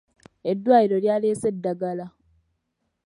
Eddwaliro lyaleese eddagala.